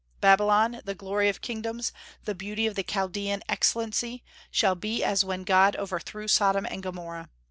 Babylon, the glory of kingdoms, the beauty of the Chaldean excellency, shall be as when God overthrew Sodom and Gomorrah.